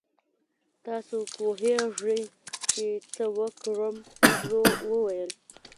تاسو پوهیږئ چې څه وکړم انډریو وویل